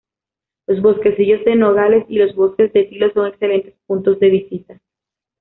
Los bosquecillos de nogales y los bosques de tilos son excelentes puntos de visita.